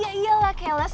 ya iyalah kelas